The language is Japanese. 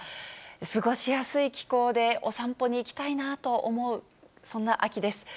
過ごしやすい気候で、お散歩に行きたいなと思う、そんな秋です。